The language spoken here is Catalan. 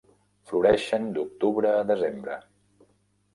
Floreixen d'octubre a desembre.